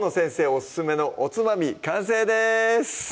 オススメのおつまみ完成です！